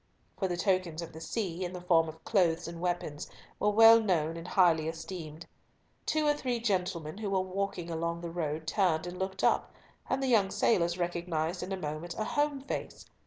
For the tokens of the sea, in the form of clothes and weapons, were well known and highly esteemed. Two or three gentlemen who were walking along the road turned and looked up, and the young sailors recognised in a moment a home face.